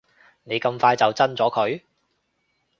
你咁快就憎咗佢